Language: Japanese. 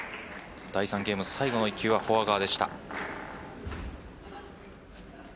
第３ゲーム最後の１球はフォア側でした。